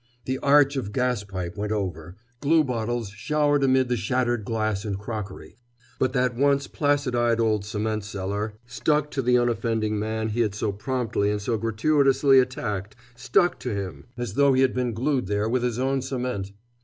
The arch of gas pipe went over. Glue bottles showered amid the shattered glass and crockery. But that once placid eyed old cement seller stuck to the unoffending man he had so promptly and so gratuitously attacked, stuck to him as though he had been glued there with his own cement.